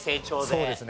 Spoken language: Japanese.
そうですね。